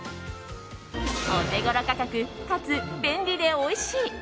オテゴロ価格かつ便利でおいしい！